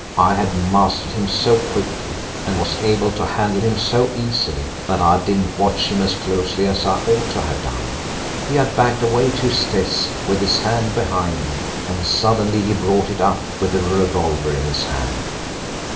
I had mastered him so quickly, and was able to handle him so easily, that I didn't watch him as closely as I ought to have done. He had backed away to his desk with his hand behind him, and suddenly he brought it up with a revolver in his hand.